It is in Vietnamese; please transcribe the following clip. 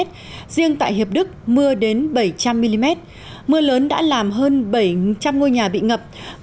riêng tại hiệp đức mưa đến bảy trăm linh mm mưa lớn đã làm hơn bảy trăm linh ngôi nhà bị ngập